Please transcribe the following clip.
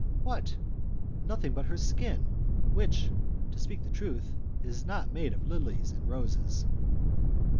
"What? Nothing but her skin which, to speak the truth, is not made of lilies and roses."